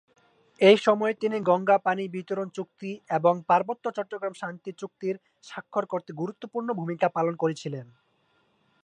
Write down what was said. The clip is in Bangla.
এই সময়ে তিনি গঙ্গা পানি বিতরণ চুক্তি এবং পার্বত্য চট্টগ্রাম শান্তি চুক্তি স্বাক্ষর করতে গুরুত্বপূর্ণ ভূমিকা পালন করেছিলেন।